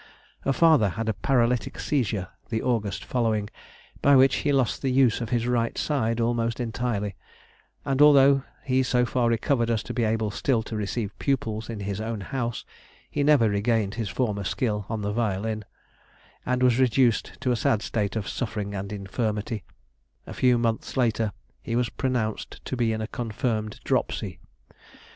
The father had a paralytic seizure the August following, by which he lost the use of his right side almost entirely, and although he so far recovered as to be able still to receive pupils in his own house, he never regained his former skill on the violin, and was reduced to a sad state of suffering and infirmity; a few months later he was pronounced to be in a confirmed dropsy.